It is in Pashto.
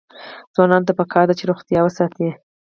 ځوانانو ته پکار ده چې، روغتیا وساتي.